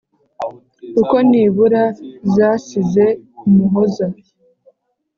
kuko nibura zasize umuhoza